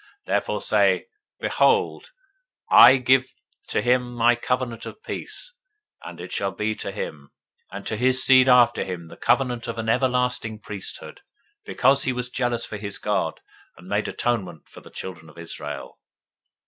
025:012 Therefore say, Behold, I give to him my covenant of peace: 025:013 and it shall be to him, and to his seed after him, the covenant of an everlasting priesthood; because he was jealous for his God, and made atonement for the children of Israel.